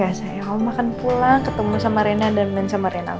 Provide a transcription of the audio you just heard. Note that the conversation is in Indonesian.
gak sayang mama akan pulang ketemu sama rena dan main sama rena lagi